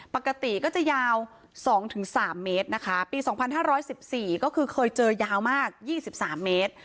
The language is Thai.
ปกติก็จะยาว๒๓เมตรนะคะปี๒๕๑๔ก็คือเคยเจอยาวมาก๒๓เมตร